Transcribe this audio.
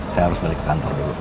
saya harus balik ke kantor dulu